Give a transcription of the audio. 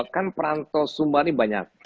kan perantau sumber ini banyak